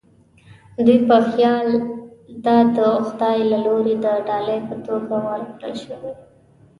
دوی په خیال دا د خدای له لوري د ډالۍ په توګه ورکړل شوې.